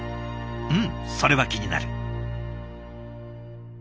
うんそれは気になる。